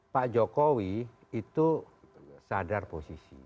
pak jokowi itu sadar posisi